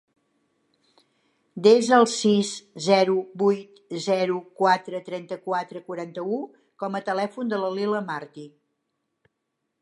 Desa el sis, zero, vuit, zero, quatre, trenta-quatre, quaranta-u com a telèfon de la Lila Marti.